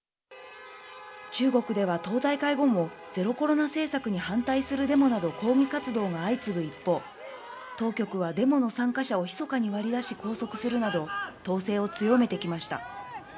中国では党大会後もゼロコロナ政策に反対するデモなど、抗議活動が相次ぐ一方、当局はデモの参加者をひそかに割り出し拘束するなど、統制を強めてきました。